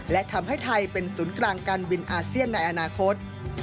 และทำให้ไทยเป็นศูนย์กลางการบินอาเซียนในอนาคต